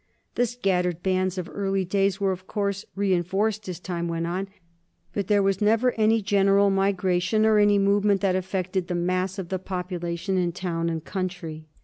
The scattered bands of early days were of course reen forced as time went on, but there was never any general migration or any movement that affected the mass of the population in town and country.